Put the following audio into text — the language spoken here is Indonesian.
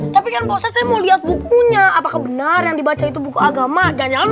tapi kan proses saya mau lihat bukunya apakah benar yang dibaca itu buku agama jangan jangan